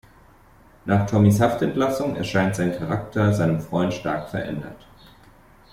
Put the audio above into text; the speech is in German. Nach Tommys Haftentlassung erscheint sein Charakter seinem Freund stark verändert.